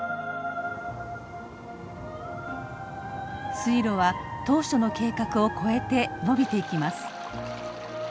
水路は当初の計画を超えて延びていきます。